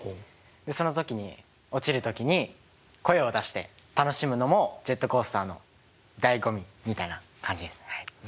その時に落ちる時に声を出して楽しむのもジェットコースターのだいご味みたいな感じです。